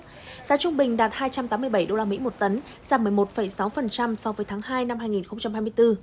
giá trung bình đạt hai trăm tám mươi bảy usd một tấn giảm một mươi một sáu so với tháng hai năm hai nghìn hai mươi bốn